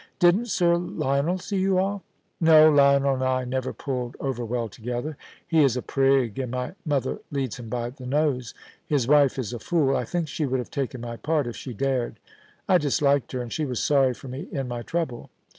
* Didn't Sir Lionel see you off?* * No ; Lionel and I never pulled over well together. He is a prig, and my mother leads him by the nose. His wife is a fool. I think she would have taken my part if she dared. I disliked her, and she was sorry for me in my trouble.